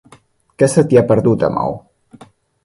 Què se t'hi ha perdut, a Maó?